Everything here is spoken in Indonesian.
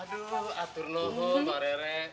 aduh aturnoho mbak rere